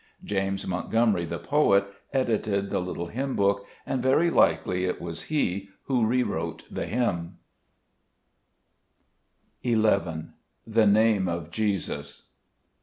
James Montgomery, the poet, edited the little hymn book, and very likely it was he who re wrote the hymn, \\ Z\)C IRame of Jesus.